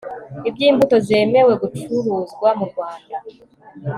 iby imbuto zemewe gucuruzwa mu rwanda